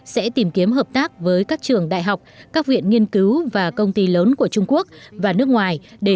sẽ tác với các trường đại học các viện nghiên cứu và công ty lớn của trung quốc và nước ngoài để